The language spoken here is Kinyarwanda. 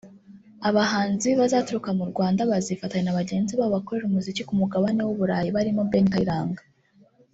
Abahanzi bazaturuka mu Rwanda bazifatanya na bagenzi babo bakorera umuziki ku Mugabane w’u Burayi barimo Ben Kayiranga